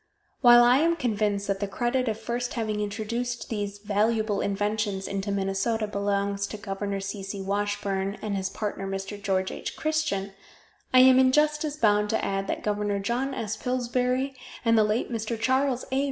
While I am convinced that the credit of first having introduced these valuable inventions into Minnesota belongs to Gov. C. C. Washburn and his partner Mr. George H. Christian, I am in justice bound to add that Gov. John S. Pillsbury and the late Mr. Charles A.